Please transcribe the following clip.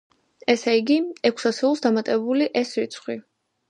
ესე იგი, ექვს ასეულს დამატებული ეს რიცხვი.